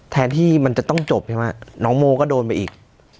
แทนที่มันจะต้องจบใช่ไหมน้องโมก็โดนไปอีก